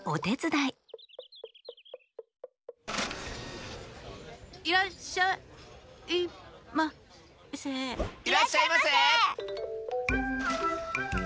いらっしゃいませ！